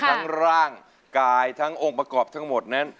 ทั้งร่างกายทั้งองค์ประกอบทั้งหมดนั้น